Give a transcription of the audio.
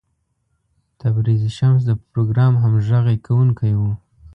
تبریز شمس د پروګرام همغږی کوونکی و.